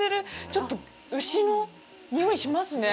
ちょっと牛の匂いしますね。